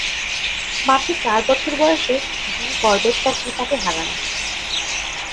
মাত্র চার বছর বয়সে জিম করবেট তার পিতাকে হারান।